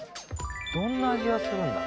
どんな味がするんだろう？